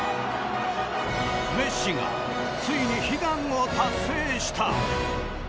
メッシがついに悲願を達成した。